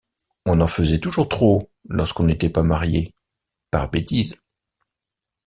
On en faisait toujours trop, lorsqu’on n’était pas marié, par bêtise.